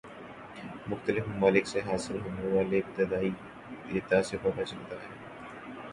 مختلف ممالک سے حاصل ہونے والے ابتدائی دیتا سے پتہ چلتا ہے